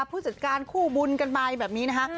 ผู้จัดการคู่บุญกันไปแบบนี้นะคะ